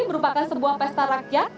merupakan sebuah pesta rakyat